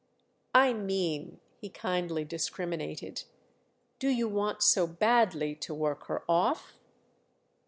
"I mean"—he kindly discriminated—"do you want so badly to work her off?"